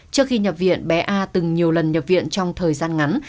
trước khi nhập viện bé a từng nhiều lần nhập viện trong thời gian ngắn